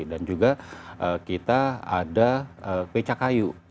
dan juga kita ada becakayu